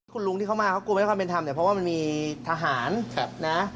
คุณลุงที่เขามาเขากลัวไม่ความเป็นธรรมเนี่ยเพราะว่ามันมีทหารนะ